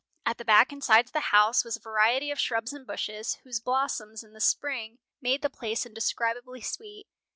At the back and sides of the house was a variety of shrubs and bushes whose blossoms in the spring made the place indescribably sweet.